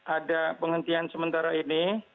ada penghentian sementara ini